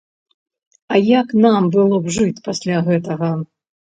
А як нам было б жыць пасля гэтага?!